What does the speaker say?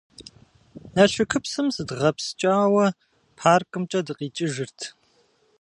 Налшыкыпсым зыщыдгъэпскӀауэ паркымкӀэ дыкъикӀыжырт.